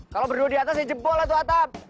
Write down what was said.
kalau berdua di atas ya jebol lah tuh atap